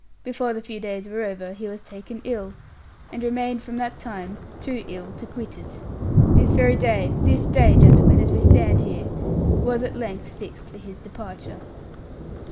Before the few days were over, he was taken ill, and remained, from that time, too ill to quit it. This very day this day, gentlemen, as we stand here, was at length fixed for his departure."